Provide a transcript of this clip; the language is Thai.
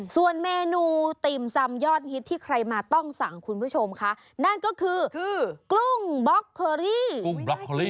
ส่วนเมนูติ่มซำยอดฮิตที่ใครมาต้องสั่งคุณผู้ชมคะนั่นก็คือกุ้งบล็อกเคอรี่